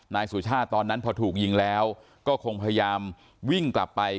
นายสุชาติตอนนั้นพอถูกยิงแล้วก็คงพยายามวิ่งกลับไป